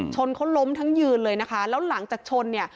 ชนเขาล้มทั้งยืนเลยนะคะแล้วหลังจากชนเนี่ย